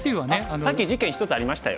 さっき事件１つありましたよ。